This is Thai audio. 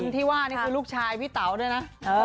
ที่ว่านี่คือลูกชายพี่เต๋าด้วยนะ